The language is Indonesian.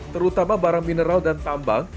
terutama barang mineral dan tambang